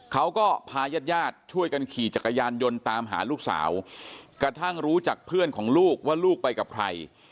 เขาก็พาญาติญาติช่วยกันขี่จักรยานยนต์ตามหาลูกสาวกระทั่งรู้จากเพื่อนของลูกว่าลูกไปกับใคร